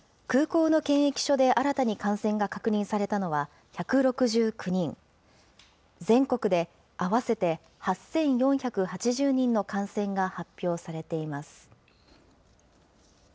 空港の検疫所で新たに感染が確認されたのは１６９人、全国で合わせて８４８０人の感染が発表されています。